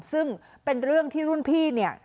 ซึ่งเป็นเรื่องที่รุ่นพี่เนี่ย